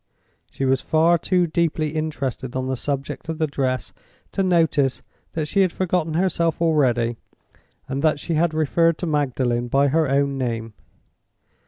She was far too deeply interested on the subject of the dress to notice that she had forgotten herself already, and that she had referred to Magdalen by her own name.